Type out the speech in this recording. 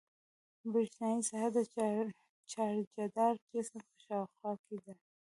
برېښنايي ساحه د چارجداره جسم په شاوخوا کې ده.